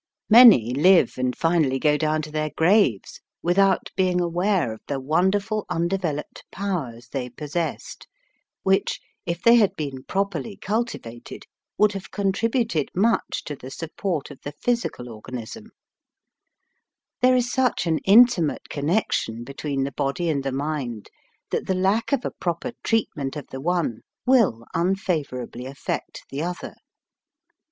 Many live and finally go down to their graves without being aware of the wonderful undeveloped powers they possessed, vdiich, if they had been properly cul tivated, would have contributed much to the support of the physical organ ism There is such an intimate con nection between the body and the mind that the lack of a proper treat ment of the one will unfavorably affect the other.